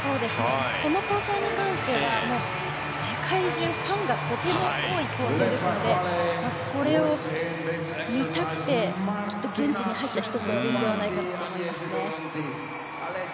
この構成に関して世界中、ファンがとても多い構成ですのでこれを見たくてきっと、現地に入った人もいるのではないかと思いますね。